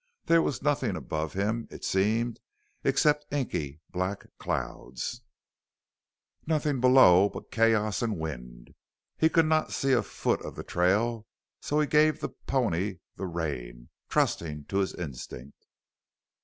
There was nothing above him it seemed except inky black clouds, nothing below but chaos and wind. He could not see a foot of the trail and so he gave the pony the rein, trusting to its instinct.